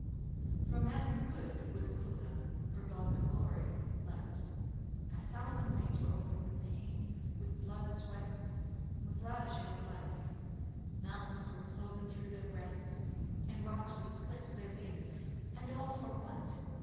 For man's good was little done; for God's glory, less. A thousand ways were opened with pain, with blood sweats, with lavishing of life; mountains were cloven through their breasts, and rocks were split to their base; and all for what?